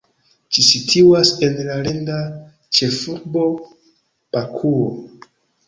Ĝi situas en la landa ĉefurbo, Bakuo.